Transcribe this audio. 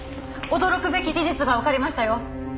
驚くべき事実がわかりましたよ。